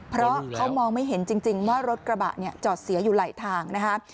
เพราะเขามองไม่เห็นจริงว่ารถกระบะเนี่ยจอดเสียอยู่ไหลทางนะคะ